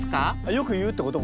よく言うってこと？